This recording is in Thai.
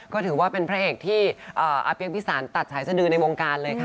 ก็ถือว่าเป็นพระเอกที่อาเปี๊ยกพิสารตัดสายสดือในวงการเลยค่ะ